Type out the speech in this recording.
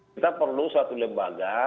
kita perlu suatu lembaga